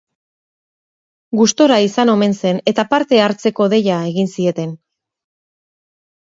Gustora izan omen zen eta parte hartzeko deia egin zieten.